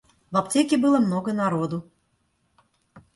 В аптеке было много народу.